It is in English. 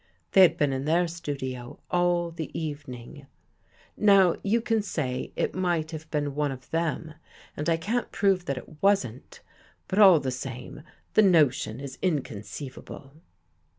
They had been in their studio all the evening! Now you can say it might have been 39 THE GHOST GIRL one of them and I can't prove that it wasn't, but all the same the notion is inconceivable."